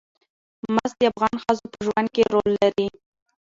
مس د افغان ښځو په ژوند کې رول لري.